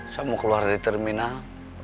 saya mau keluar dari terminal